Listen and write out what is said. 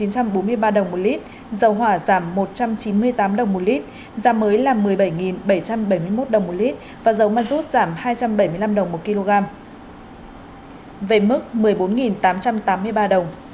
cụ thể giá xăng e năm ron chín mươi hai tăng ba trăm chín mươi đồng một lít và dầu ma rút giảm hai trăm bảy mươi năm đồng một kg